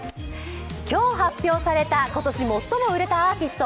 今日発表された今年最も売れたアーティスト。